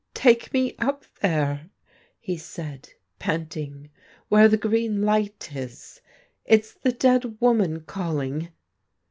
' Take me up there,' he said, panting, ' where the green light is ; it's the dead woman calling.'